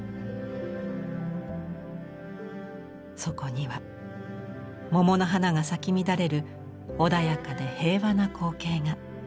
そこには桃の花が咲き乱れる穏やかで平和な光景が。